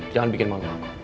jangan bikin malu aku